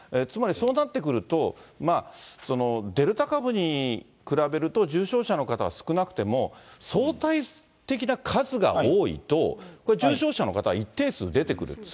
つまりそうなってくると、デルタ株に比べると、重症者の方は少なくても、相対的な数が多いと、これ、重症者の方は一定数出てくる。